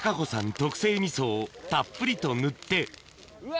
特製みそをたっぷりと塗ってうわ